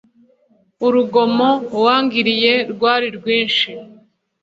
urugomo wangiriye rwari rwinshi